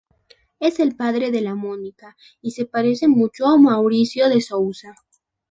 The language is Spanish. Es el padre de la Mônica, y se parece mucho con Maurício de Sousa.